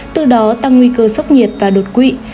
từ đó tăng nguy cơ sốc nhiệt và đột quỵ